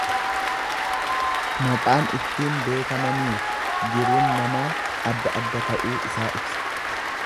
Maqaan ittiin beekamaniifi jiruun namaa adda adda ta'uu isaa ibsa.